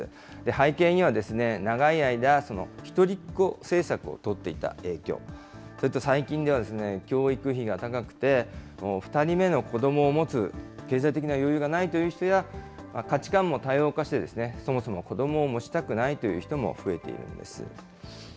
背景には長い間、一人っ子政策を取っていた影響、それと最近では、教育費が高くて、２人目の子どもを持つ経済的な余裕がないという人や、価値観も多様化して、そもそも子どもを持ちたくないという人も増えているんです。